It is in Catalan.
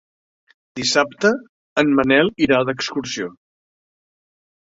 Dissabte en Manel irà d'excursió.